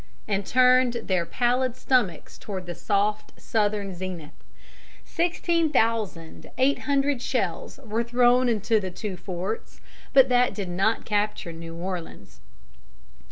and turned their pallid stomachs toward the soft Southern zenith. Sixteen thousand eight hundred shells were thrown into the two forts, but that did not capture New Orleans.